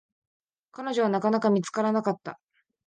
彼女は、なかなか見つからなかった。